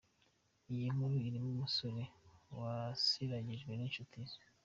Iyi nkuru irimo umusore wasiragijwe n'inshuti ze.